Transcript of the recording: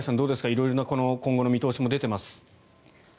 色々な今後の見通しも出ています。